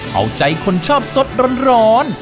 เอาใจคนชอบสดร้อน